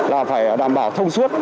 là phải đảm bảo thông suốt